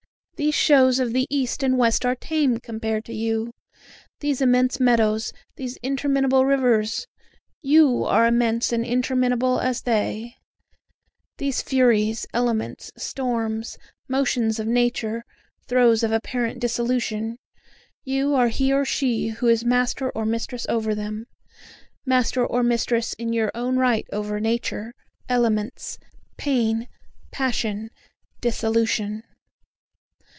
These shows of the east and west are tame compared to you; These immense meadows these interminable rivers you are immense and interminable as they; These furies, elements, storms, motions of Nature, throes of apparent dissolution you are he or she who is master or mistress over them, Master or mistress in your own right over Nature, elements, pain, passion, dissolution.